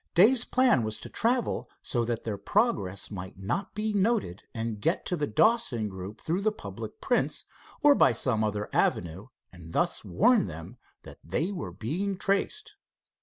Dave's plan was to travel so that their progress might not be noted and get to the Dawson group through the public prints or by some other avenue, and thus warn them that they were being traced.